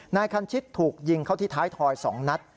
นายคันชิตถูกยิงเข้าที่ท้ายทอย๒นัด